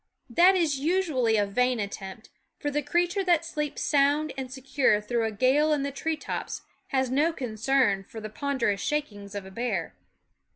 That is usually a vain attempt ; for the creature that sleeps sound and secure through a gale in the tree tops has no concern for the ponder ous shakings of a bear.